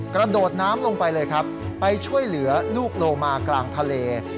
กระโดดน้ำลงไปเลยครับไปช่วยเหลือลูกลงมากลางทะเล